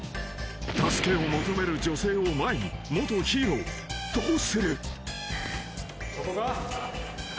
［助けを求める女性を前に元ヒーローどうする？］